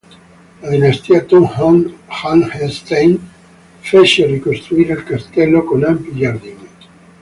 La dinastia Thun-Hohenstein fece ricostruire il castello con ampi giardini.